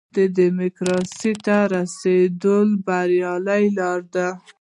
ډیموکراسۍ ته د رسېدو بریالۍ لاره ده.